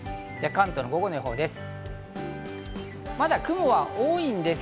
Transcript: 関東の午後の予報です。